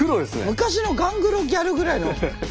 昔のガングロギャルぐらいの。